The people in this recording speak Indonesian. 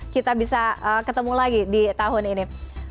kita bisa ketemu lagi di tahun ini